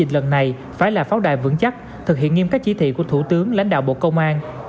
lần này phải là pháo đài vững chắc thực hiện nghiêm các chỉ thị của thủ tướng lãnh đạo bộ công an